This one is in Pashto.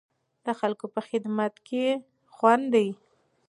د خلکو په خدمت کې خوند دی.